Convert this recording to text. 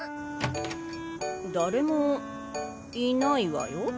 誰もいないわよ。